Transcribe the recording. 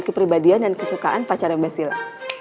keperibadian dan kesukaan pacaran basila